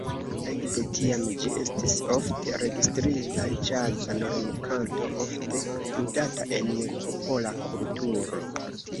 Ekde tiam ĝi estis ofte registrita ĵaza normkanto ofte ludata en popola kulturo.